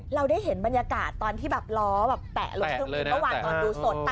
เราได้เห็นบรรยากาศตอนที่ล้อแปะลงเครื่องบินที่ต้องพัง